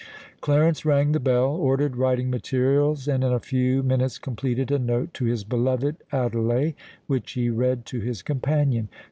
Clarence rang the bell, ordered writing materials, and in a few minutes completed a note to his beloved Adelais, which he read to his companion.